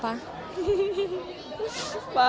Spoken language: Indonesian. pak mak makasih banyak